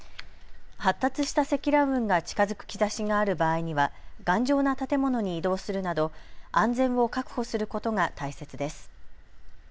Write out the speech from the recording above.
発達した積乱雲が近づく兆しがある場合には頑丈な建物に移動するなど安全を確保することが大切です。